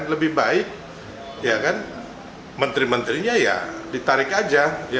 lebih baik menteri menterinya ya ditarik aja